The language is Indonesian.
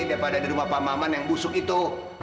daripada di rumah pak maman yang busuk itu